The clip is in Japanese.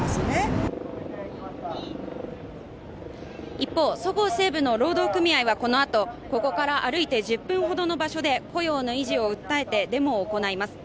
一方そごう・西武の労働組合はこのあとここから歩いて１０分ほどの場所で雇用の維持を訴えてデモを行います